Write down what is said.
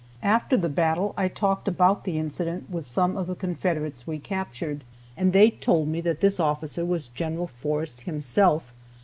After the battle I talked about the incident with some of the Confederates we captured, and they told me that this officer was Gen. Forrest himself.